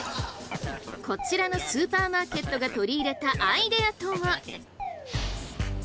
こちらのスーパーマーケットが取り入れたアイデアとは。